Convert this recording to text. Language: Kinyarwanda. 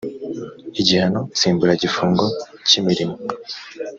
igihano nsimburagifungo cy imirimo